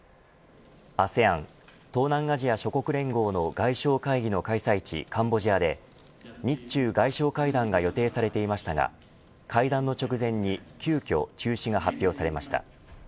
ＡＳＥＡＮ東南アジア諸国連合の外相会議の開催地カンボジアで日中外相会談が予定されていましたが会談の直前に、急きょ中止が発表されました。